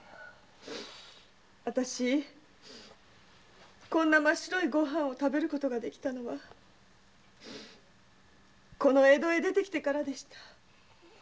あたしこんな真っ白い御飯を食べることができたのはこの江戸へ出てきてからでした。